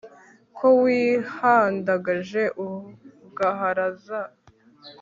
ko wihandagaje ugaharaza